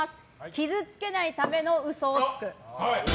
傷つけないための嘘をつく。